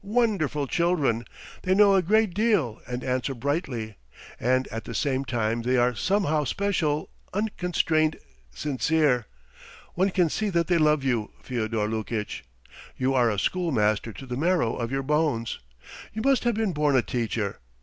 ... Wonderful children! They know a great deal and answer brightly, and at the same time they are somehow special, unconstrained, sincere. ... One can see that they love you, Fyodor Lukitch. You are a schoolmaster to the marrow of your bones. You must have been born a teacher.